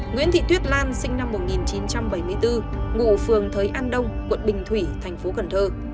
nguyễn thị tuyết lan sinh năm một nghìn chín trăm bảy mươi bốn ngụ phường thới an đông quận bình thủy thành phố cần thơ